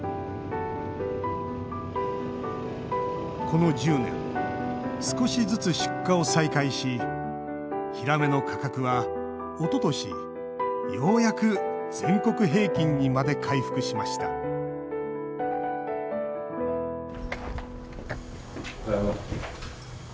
この１０年少しずつ出荷を再開しヒラメの価格はおととしようやく全国平均にまで回復しましたただいま。